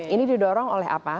ini didorong oleh apa